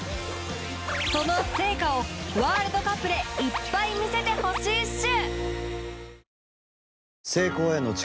その成果をワールドカップでいっぱい見せてほしいっシュ！